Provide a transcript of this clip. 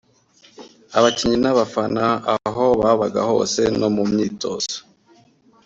abakinnyi n’abafana aho babaga hose no mu myitozo